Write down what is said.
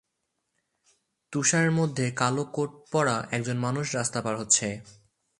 তুষারের মধ্যে কালো কোট পরা একজন মানুষ রাস্তা পার হচ্ছে।